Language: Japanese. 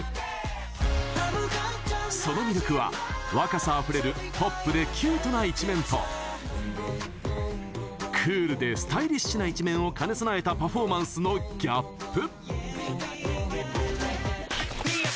その魅力は、若さあふれるポップでキュートな一面とクールでスタイリッシュな一面を兼ね備えたパフォーマンスのギャップ。